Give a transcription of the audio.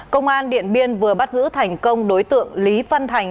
công an điện biên vừa bắt giữ thành công đối tượng lý phân thành